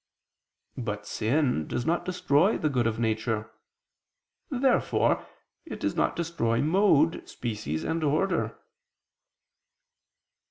But sin does not destroy the good of nature. Therefore it does not destroy mode, species and order.